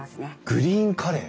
グリーンカレー！